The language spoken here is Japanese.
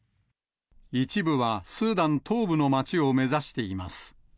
一部はスーダン東部の町を目指しています。